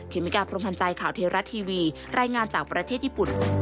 เคมิการ์พรมพันธ์ใจข่าวเทราะห์ทีวี